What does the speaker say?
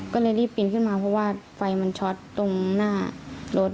ก็เลยรีบปีนขึ้นมาเพราะว่าไฟมันช็อตตรงหน้ารถ